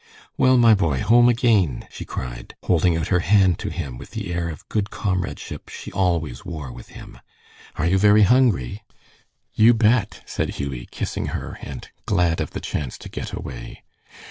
"Well, my boy, home again?" she cried, holding out her hand to him with the air of good comradeship she always wore with him. "Are you very hungry?" "You bet!" said Hughie, kissing her, and glad of the chance to get away.